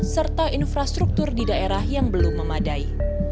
serta infrastruktur di daerah yang belum memadai